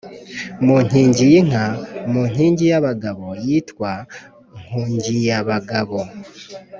mu Nkingiyinka, mu nkingi y’abagabo yitwa Nkungiyabagabo.